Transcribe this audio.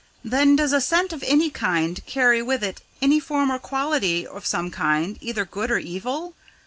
Then, does a scent of any kind carry with it any form or quality of another kind, either good or evil?